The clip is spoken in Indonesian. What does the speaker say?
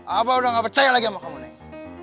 abah udah gak percaya lagi sama kamu neng